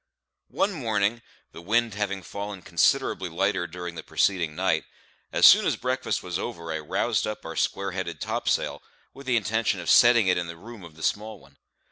One morning, the wind having fallen considerably lighter during the preceding night, as soon as breakfast was over I roused up our square headed topsail, with the intention of setting it in the room of the small one.